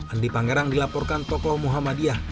andi pangerang dilaporkan tokoh muhammadiyah